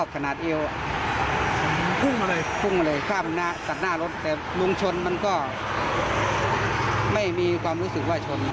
กัดหน้ารถแต่มุมชนมันก็ไม่มีความรู้สึกว่าชน